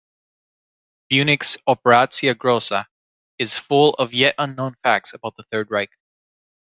Bunich's "Operatsia Groza'" is full of yet unknown facts about the Third Reich.